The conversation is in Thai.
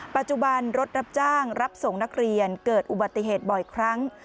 ปัจจุบันรถรับจ้างรับส่งนักเรียนเกิดอุบัติเหตุบ่อยครั้ง